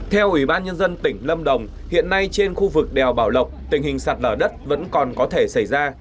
theo ủy ban nhân dân tỉnh lâm đồng hiện nay trên khu vực đèo bảo lộc tình hình sạt lở đất vẫn còn có thể xảy ra